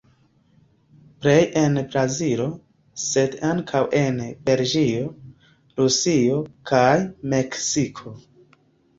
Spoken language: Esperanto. Plej en Brazilo, sed ankaŭ en Belgio, Rusio kaj Meksiko.